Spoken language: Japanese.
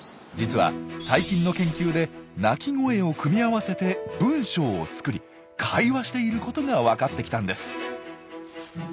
実は最近の研究で鳴き声を組み合わせて文章を作り会話していることが分かってきたんです。